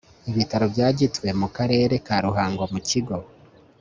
Ibitaro bya Gitwe mu Karere ka Ruhango mu kigo